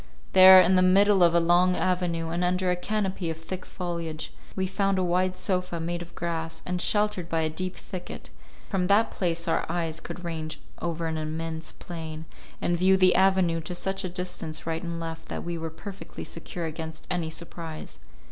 There, in the middle of a long avenue, and under a canopy of thick foliage, we found a wide sofa made of grass, and sheltered by a deep thicket; from that place our eyes could range over an immense plain, and view the avenue to such a distance right and left that we were perfectly secure against any surprise.